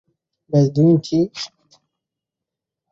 ব্যাস দুই ইঞ্চি?